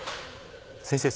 先生